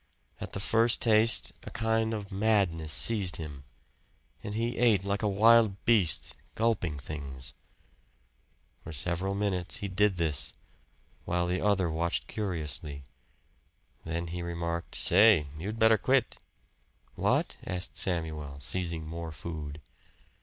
At the first taste a kind of madness seized him, and he ate like a wild beast, gulping things. For several minutes he did this, while the other watched curiously. Then he remarked, "Say, you'd better quit." "What?" asked Samuel, seizing more food.